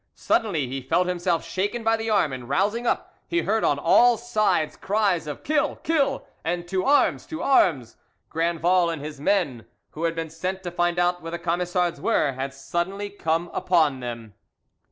Suddenly he felt himself shaken by the arm, and rousing up, he heard on all sides cries of "Kill! Kill!" and "To arms! To arms!" Grandval and his men, who had been sent to find out where the Camisards were, had suddenly come upon them.